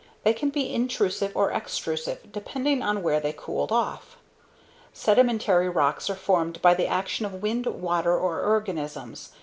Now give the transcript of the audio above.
They can be intrusive or extrusive depending on where they cooled off. Sedimentary rocks are formed by the action of wind, water, or organisms.